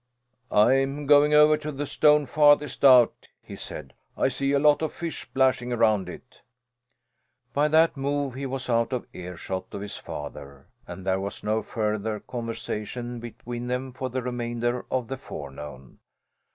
"I'm going over to the stone farthest out," he said. "I see a lot of fish splashing round it." By that move he was out of earshot of his father, and there was no further conversation between them for the remainder of the forenoon.